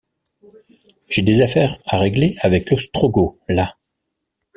J’ai des affaires à régler avec l’ostrogoth, là...